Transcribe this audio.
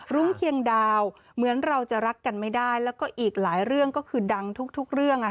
รุ้งเคียงดาวเหมือนเราจะรักกันไม่ได้แล้วก็อีกหลายเรื่องก็คือดังทุกเรื่อง